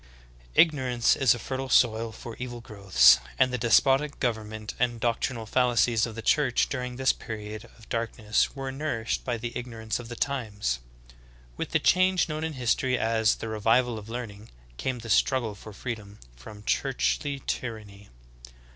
2. Ignorance is a fertile soil for evil growths, and the despotic government and doctrinal fallacies of the Church during this period of darkness were nourished by the ig norance of the times. With the change known in history as "the revival of learning" came the struggle for freedom from churchly tyranny.